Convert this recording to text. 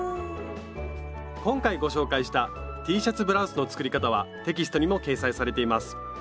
今回ご紹介したＴシャツブラウスの作り方はテキストにも掲載されています。